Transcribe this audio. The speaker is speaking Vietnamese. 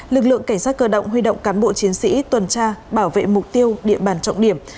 lực lượng cảnh sát cơ động huy động cán bộ chiến sĩ tuần tra bảo vệ mục tiêu địa bàn trọng điểm